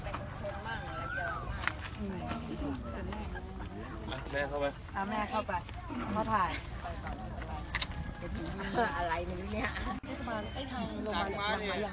เอาแม่เข้าไปเอามาถ่าย